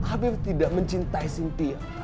afif tidak mencintai sintia